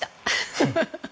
フフフ。